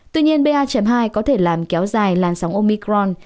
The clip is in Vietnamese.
tuy nhiên ba hai có thể làm kéo dài làn sóng omicron